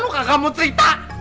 lu gak mau cerita